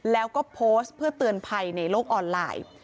แล้วก็โพสต์เพื่อเตือนภัยในโลกออนไลน์